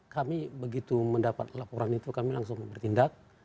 kami begitu mendapat laporan itu kami langsung bertindak